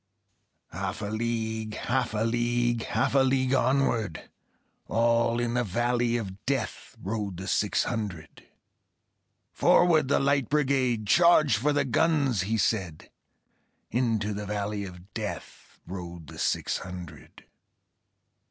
Half a league, half a league, Half a league onward, All in the valley of Death Rode the six hundred. "Forward, the Light Brigade! Charge for the guns!" he said; Into the valley of Death Rode the six hundred.